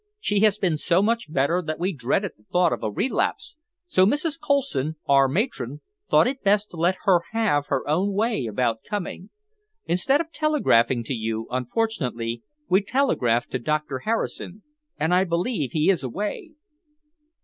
"She has been so much better that we dreaded the thought of a relapse, so Mrs. Coulson, our matron, thought it best to let her have her own way about coming. Instead of telegraphing to you, unfortunately, we telegraphed to Doctor Harrison, and I believe he is away."